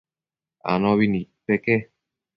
Anopi nidpeque